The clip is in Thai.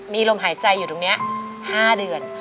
มีลมหายใจอยู่ตรงนี้๕เดือน